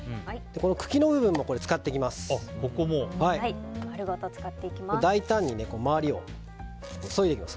茎の部分も使っていきます。